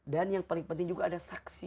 dan yang paling penting juga ada saksi